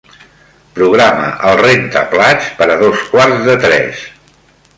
Programa el rentaplats per a dos quarts de tres.